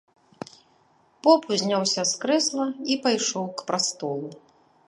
Поп узняўся з крэсла і пайшоў к прастолу.